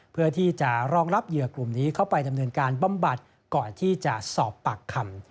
เพื่อที่จะรองรับเหยื่อกลุ่มนี้เข้าไปดำเนินการบำบัดก่อนที่จะสอบปากคำ